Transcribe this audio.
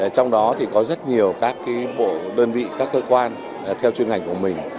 trong đó có rất nhiều các bộ đơn vị các cơ quan theo chuyên ngành của mình